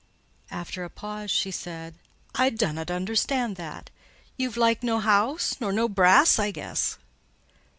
After a pause she said, "I dunnut understand that: you've like no house, nor no brass, I guess?"